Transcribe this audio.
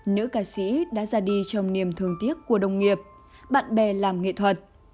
nữ ca sĩ đã ra đi trong niềm thương tiếc của đồng nghiệp bạn bè làm nghệ thuật